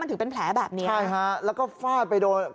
ถึงเป็นแผลแบบนี้ใช่ฮะแล้วก็ฟาดไปโดน